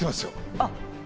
あっ！